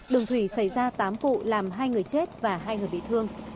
đường thủy xảy ra tám vụ làm hai người chết và hai người bị thương